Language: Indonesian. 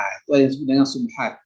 itu yang disebut dengan sumhat